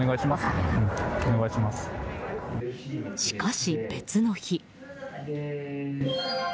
しかし、別の日。